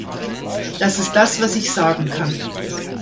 Das ist das, was ich sagen kann.